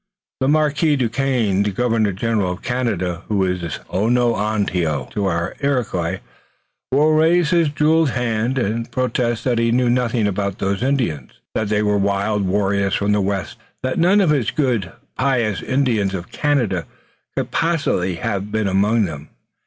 The Marquis Duquesne, the Governor General of Canada, who is Onontio to our Iroquois, will raise his jeweled hand, and protest that he knew nothing about those Indians, that they were wild warriors from the west, that none of his good, pious Indians of Canada could possibly have been among them.